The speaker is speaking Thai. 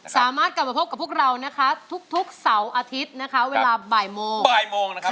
สามารถกลับมาพบกับพวกเราทุกเสาร์อาทิตย์เวลาบ่ายโมง